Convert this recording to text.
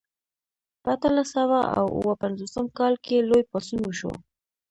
په اتلس سوه او اووه پنځوسم کال کې لوی پاڅون وشو.